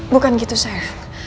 bukan gitu sayer